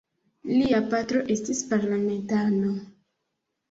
Lia patro estis parlamentano.